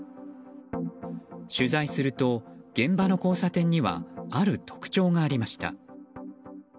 取材すると現場の交差点にはある特徴がありました。